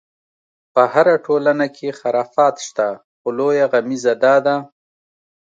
په هره ټولنه کې خرافات شته، خو لویه غمیزه دا ده.